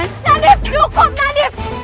nandif cukup nandif